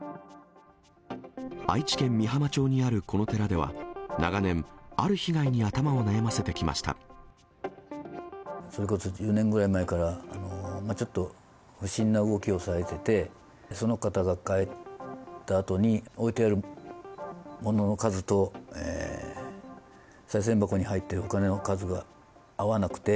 愛知県美浜町にあるこの寺では、長年、それこそ１０年ぐらい前から、ちょっと不審な動きをされてて、その方が帰ったあとに、置いてあるものの数と、さい銭箱に入っているお金の数が合わなくて、